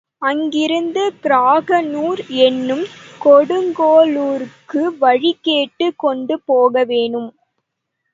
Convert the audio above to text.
அங்கிருந்து கிராங்கனூர் என்னும் கொடுங்கோளூருக்கு வழி கேட்டுக் கொண்டு போக வேணும்.